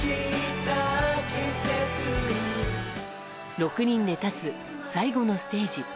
６人で立つ最後のステージ。